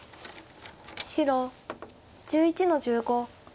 白１１の十五トビ。